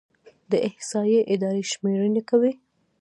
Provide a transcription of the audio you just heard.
د احصایې اداره شمیرنې کوي